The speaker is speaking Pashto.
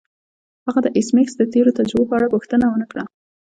هغه د ایس میکس د تیرو تجربو په اړه پوښتنه ونه کړه